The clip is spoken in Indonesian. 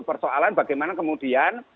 persoalan bagaimana kemudian